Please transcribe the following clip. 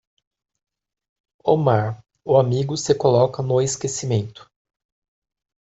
O mar, o amigo se coloca no esquecimento.